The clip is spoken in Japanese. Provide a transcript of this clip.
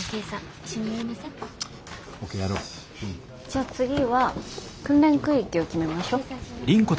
じゃあ次は訓練空域を決めましょ。